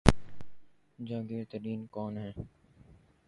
جہانگیر ترین کون ہیں؟